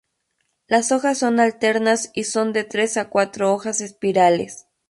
Las hojas son alternas y son de tres a cuatro hojas espirales.